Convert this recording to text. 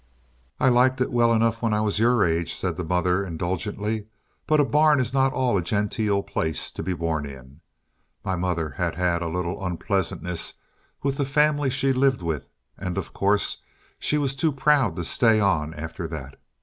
"I liked it well enough when I was your age," said the mother indulgently, "but a barn is not at all a genteel place to be born in. My mother had had a little unpleasantness with the family she lived with, and, of course, she was too proud to stay on after that.